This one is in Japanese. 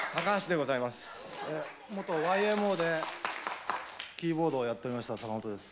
元ＹＭＯでキーボードをやっておりました坂本です。